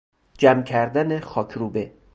جمع کردن خاکروبه